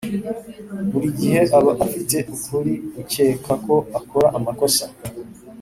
buri gihe aba afite ukuri ukeka ko akora amakosa